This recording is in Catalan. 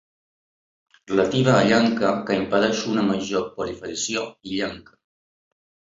Relativa a la llenca que impedeix una major proliferació illenca.